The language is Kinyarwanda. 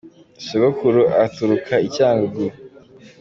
Sogokuru aturuka i cyangungu.